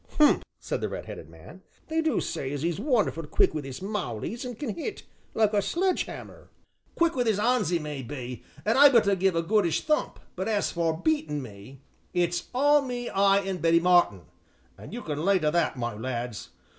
"Humph!" said the red headed man, "they do say as he's wonderful quick wi' his 'mauleys,' an' can hit like a sledgehammer." "Quick wi' 'is 'ands 'e may be, an' able to give a goodish thump, but as for beatin' me it's 'all me eye an' Betty Martin,' an' you can lay to that, my lads.